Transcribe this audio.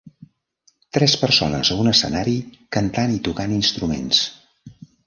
Tres persones a un escenari cantant i tocant instruments.